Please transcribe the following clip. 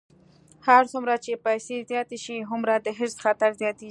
هر څومره چې پیسې زیاتې شي، هومره د حرص خطر زیاتېږي.